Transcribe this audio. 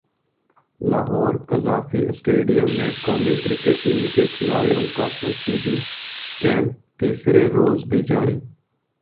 Lahore Gaddafi stadium میں قومی cricket team کے کھلاڑیوں کا تربیتی کیمپ تیسرے روز بھی جاری